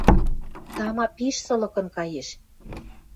Тама пиш сылыкын каеш.